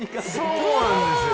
そうなんですよ。